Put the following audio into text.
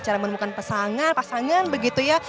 cara menemukan pasangan pasangan begitu ya